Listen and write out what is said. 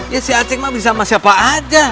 ya si aceh mak bisa sama siapa aja